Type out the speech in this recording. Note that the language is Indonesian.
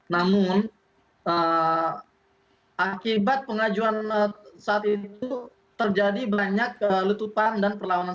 namun akibat pengajuan saat itu terjadi banyak letupan dan perlawanan